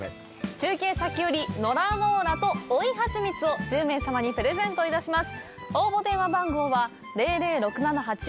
中継先よりノラノーラと追いハチミツを１０名様にプレゼントいたします。